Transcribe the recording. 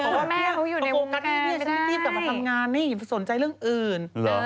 ก็พูดกะตี้นี้ฉันไม่สิ่งเองแบบมาทำงานนี้สนใจเรื่องอื่น